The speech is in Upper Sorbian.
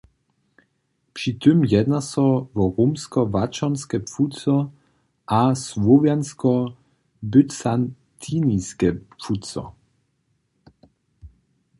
Při tym jedna so wo romsko-łaćonske płuco a słowjansko-bycantiniske płuco.